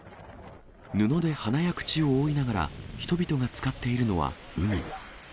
布で鼻や口を覆いながら、人々がつかっているのは海。